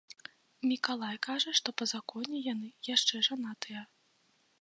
Мікалай кажа, што па законе яны яшчэ жанатыя.